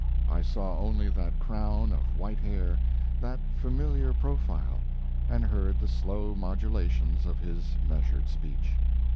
I saw only that crown of white hair, that familiar profile, and heard the slow modulations of his measured speech.